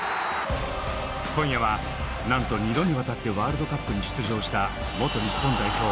今夜はなんと２度にわたってワールドカップに出場した元日本代表